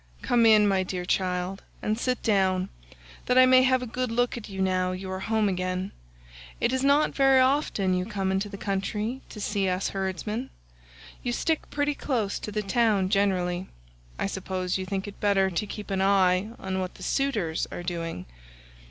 Come in, my dear child, and sit down, that I may have a good look at you now you are home again; it is not very often you come into the country to see us herdsmen; you stick pretty close to the town generally. I suppose you think it better to keep an eye on what the suitors are doing."